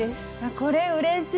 これうれしい！